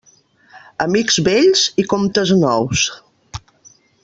Amics vells i comptes nous.